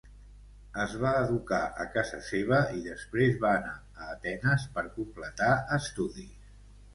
Es va educar a casa seva i després va anar a Atenes per completar estudis.